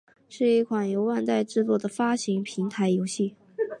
是一款由万代制作和发行的平台游戏。